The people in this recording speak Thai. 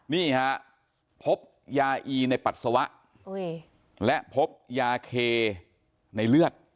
นี่ฮะพบยาอีในปัสสาวะและพบยาเคในเลือด